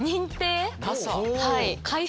はい。